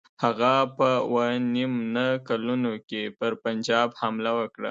هغه په اووه نیم نه کلونو کې پر پنجاب حمله وکړه.